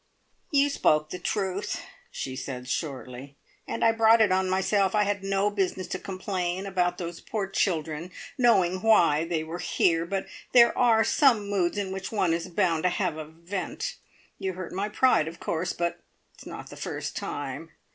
"You spoke the truth," she said shortly. "And I brought it on myself. I had no business to complain about those poor children, knowing why they were here; but there are some moods in which one is bound to have a vent. You hurt my pride, of course, but it's not the first time!"